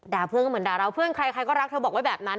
เพื่อนก็เหมือนด่าเราเพื่อนใครใครก็รักเธอบอกไว้แบบนั้น